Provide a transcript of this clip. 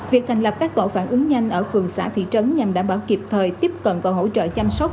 việc thành lập các tổ phản ứng nhanh ở phường xã thị trấn nhằm đảm bảo kịp thời tiếp cận và hỗ trợ chăm sóc